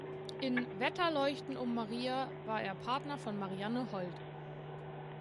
In "Wetterleuchten um Maria" war er Partner von Marianne Hold.